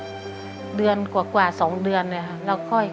คุณยายแดงคะทำไมต้องซื้อลำโพงและเครื่องเสียง